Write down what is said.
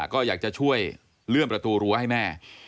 ก็อยากจะช่วยเลื่อนประตูรั้วให้แม่